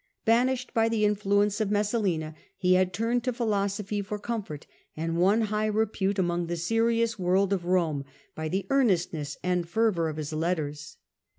Banished by the influence of Messalina, he had turned to philosophy for comfort, and won high repute among the serious world of Rome by the earnestness and fervour of his letters.